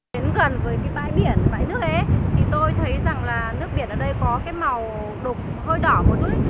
đến gần với bãi biển bãi nước ấy tôi thấy rằng nước biển ở đây có màu đục hơi đỏ một chút